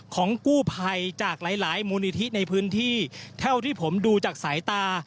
ของกู้ภัยจากหลายหลายมูลนิธิในพื้นที่เท่าที่ผมดูจากสายตา